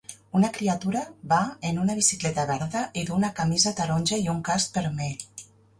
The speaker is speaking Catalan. Una criatura va en una bicicleta verda i duu una camisa taronja i un casc vermell.